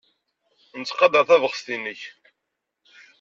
Nettqadar tabɣest-nnek.